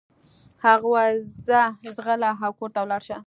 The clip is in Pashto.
هغه وويل ځه ځغله او کور ته ولاړه شه.